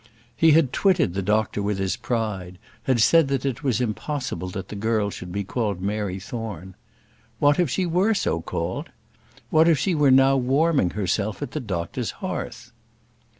He had twitted the doctor with his pride; had said that it was impossible that the girl should be called Mary Thorne. What if she were so called? What if she were now warming herself at the doctor's hearth?